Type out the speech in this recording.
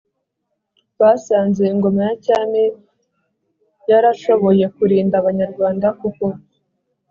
basanze ingoma ya cyami yarashoboye kurinda abanyarwanda; kuko